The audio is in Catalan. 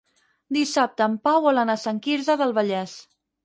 Dissabte en Pau vol anar a Sant Quirze del Vallès.